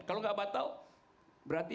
kalau gak batal berarti